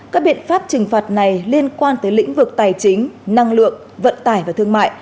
các biện pháp trừng phạt này liên quan tới lĩnh vực tài chính năng lượng vận tải và thương mại